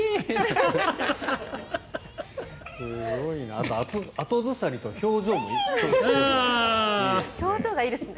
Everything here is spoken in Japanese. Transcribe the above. あと、後ずさりと表情もいいですね。